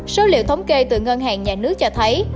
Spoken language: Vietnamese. số liệu thống kê từ ngân hàng nhà nước cho thấy